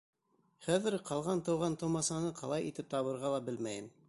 Хәҙер ҡалған туған-тыумасаны ҡалай итеп табырға ла белмәйем.